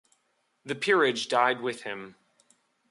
The peerage died with him.